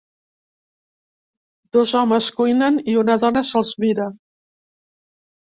Dos homes cuinen i una dona se'ls mira.